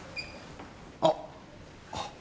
あっ。